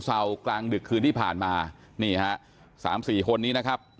เศร้ากลางดึกคืนที่ผ่านมานี่ฮะสามสี่คนนี้นะครับ